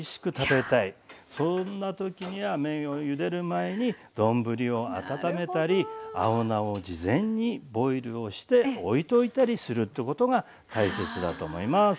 前に丼を温めたり青菜を事前にボイルをしておいといたりするってことが大切だと思います。